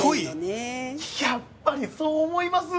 やっぱりそう思います？